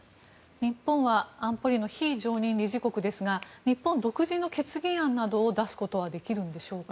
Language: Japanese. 日本は安保理の非常任理事国ですが日本独自の決議案などを出すことはできるのでしょうか？